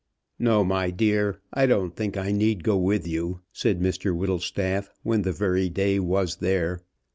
"No, my dear; I don't think I need go with you," said Mr Whittlestaff, when the very day was there.